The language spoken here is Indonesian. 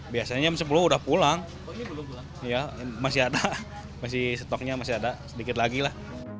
biasanya jam sepuluh udah pulang masih ada masih stoknya masih ada sedikit lagi lah